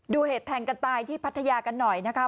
เหตุแทงกันตายที่พัทยากันหน่อยนะคะ